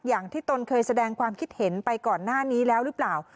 ตนเคยแสดงความคิดเห็นไปก่อนหน้านี้แล้วหรือเปล่า